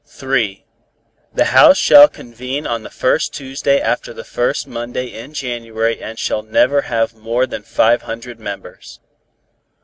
] 3. The House shall convene on the first Tuesday after the first Monday in January and shall never have more than five hundred members.